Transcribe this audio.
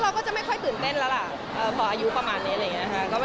เราก็จะไม่ค่อยตื่นเต้นแล้วล่ะพออายุประมาณนี้อะไรอย่างนี้ค่ะ